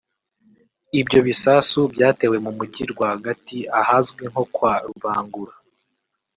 Ibyo bisasu byatewe mu mujyi rwagati ahazwi nko “Kwa Rubangura”